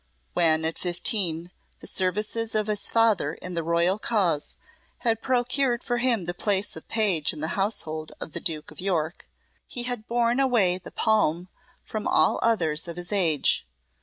When, at fifteen, the services of his father in the royal cause had procured for him the place of page in the household of the Duke of York, he had borne away the palm from all others of his age.